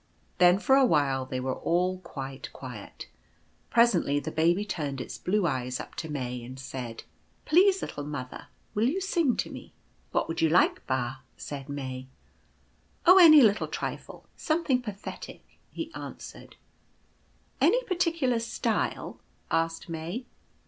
Then for a while they were all quite quiet. Presently the Baby turned its blue eyes up to May, and said :" Please, little mother, will you sing to me ?"" What would you like, Ba ?" said May. "Oh, any little trifle; something pathetic," he an swered. " Any particular style? " asked May.